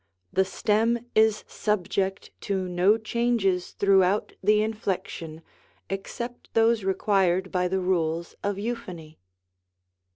The stem is subject to no changes throughout the inflection, except those required by the rules of Euphony.